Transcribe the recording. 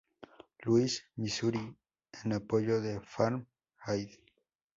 Louis, Misuri en apoyo de Farm Aid.